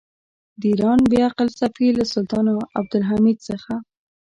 د ایران بې عقل سفیر له سلطان عبدالحمید څخه.